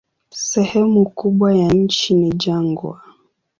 Sehemu kubwa ya nchi ni jangwa.